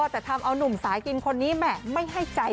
แต่ทำเอานุ่มสายกินคนนี้แหม่ไม่ให้ใจ